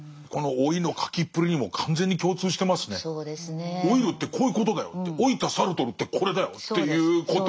老いるってこういうことだよって老いたサルトルってこれだよっていうこと。